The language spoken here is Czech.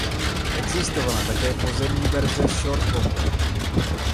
Existovala také pozemní verze Short Bomber.